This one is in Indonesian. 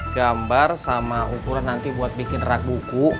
gambar sama ukuran nanti buat bikin rak buku